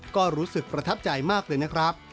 ก็รู้สึกประทับใจมากเลยนะครับ